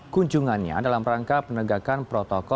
kunjungannya dalam rangka penegakan protokol